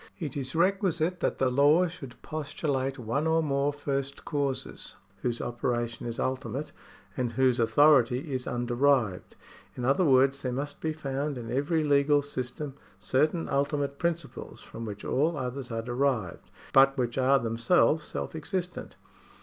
It is requisite that the law should postulate one or more first causes, whose operation is ultimate, and whose authority is underived. In other words there must be found in everj^ legal system certain ultimate principles, from which all others are derived, but which are themselves self existent.